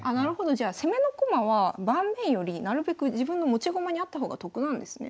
じゃあ攻めの駒は盤面よりなるべく自分の持ち駒にあった方が得なんですね。